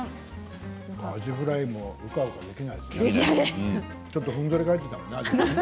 あじフライもうかうかできないですよね。